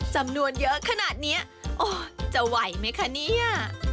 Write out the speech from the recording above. จำนวนเยอะขนาดนี้โอ้จะไหวไหมคะเนี่ย